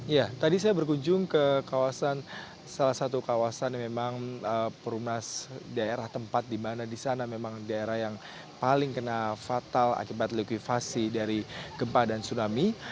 ya tadi saya berkunjung ke salah satu kawasan yang memang perumnas daerah tempat di mana di sana memang daerah yang paling kena fatal akibat likuivasi dari gempa dan tsunami